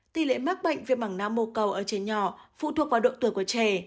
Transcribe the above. tỷ lệ mắc bệnh viên mảng nã mô cầu ở trẻ nhỏ phụ thuộc vào độ tuổi của trẻ